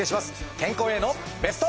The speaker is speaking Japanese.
健康へのベスト。